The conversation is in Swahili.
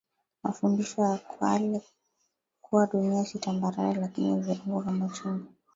mafundisho ya kale kuwa dunia si tambarare lakini mviringo kama chungwa